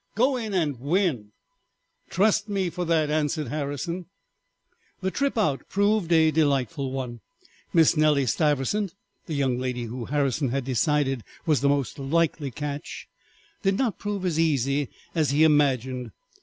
"Go in and win." "Trust me for that," answered Harrison. The trip out proved a delightful one. Miss Nellie Stiversant, the young lady who, Harrison had decided, was the most likely catch, did not prove as easy as he imagined.